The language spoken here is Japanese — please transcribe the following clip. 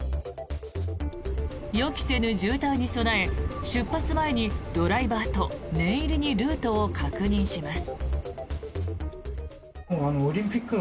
予期せぬ渋滞に備え出発前にドライバーと念入りにルートを確認します。